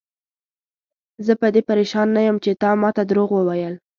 زه په دې پریشان نه یم چې تا ماته دروغ وویل.